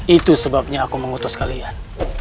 itu sebabnya aku mengutus kalian